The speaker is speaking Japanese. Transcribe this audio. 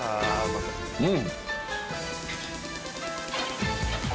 うん！